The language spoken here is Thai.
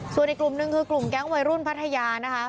ส่วนอีกกลุ่มหนึ่งคือกลุ่มแก๊งวัยรุ่นพัทยานะคะ